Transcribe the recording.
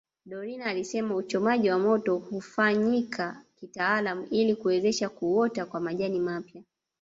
Dorina alisema uchomaji wa moto hufanyika kitaalamu ili kuwezesha kuota kwa majani mapya